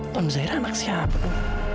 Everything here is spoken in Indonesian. nur zairah anak siapa